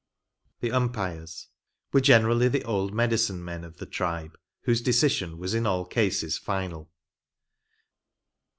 ¬Ľ THE UMPIRES Were generally the old medicine men of the tribe, whose decision was in all cases final.